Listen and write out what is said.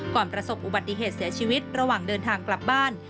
ประสบอุบัติเหตุเสียชีวิตระหว่างเดินทางกลับบ้าน